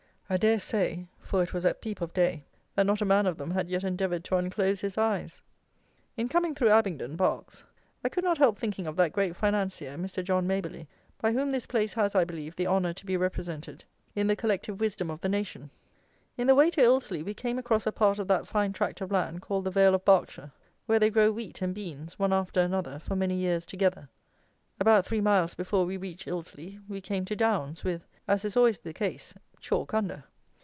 I dare say (for it was at peep of day) that not a man of them had yet endeavoured to unclose his eyes. In coming thro' Abingdon (Berks) I could not help thinking of that great financier, Mr. John Maberly, by whom this place has, I believe, the honour to be represented in the Collective Wisdom of the Nation. In the way to Ilsley we came across a part of that fine tract of land, called the Vale of Berkshire, where they grow wheat and beans, one after another, for many years together. About three miles before we reached Ilsley we came to downs, with, as is always the case, chalk under.